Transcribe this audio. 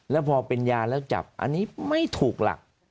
แล้วพอเป็นยาแล้วจับอันนี้ไม่ถูกหลัก